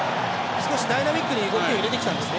少しダイナミックに動きを入れてきたんですね。